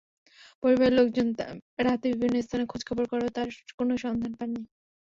পরিবারের লোকজন রাতে বিভিন্ন স্থানে খোঁজখবর করেও তাঁর কোনো সন্ধান পাননি।